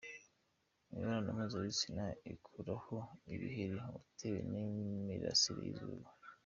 Imibonano mpuzabitsina ikuraho ibiheri watewe n’imirasire y’izuba.